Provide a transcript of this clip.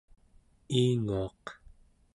iinguaq